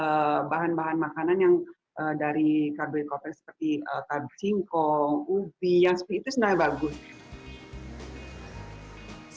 seperti karding kong ubi yang seperti itu sebenarnya bagus